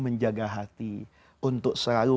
menjaga hati untuk selalu